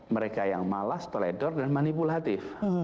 mereka yang malas teledor dan manipulatif